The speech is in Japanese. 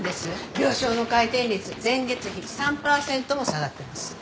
病床の回転率前月比３パーセントも下がってます。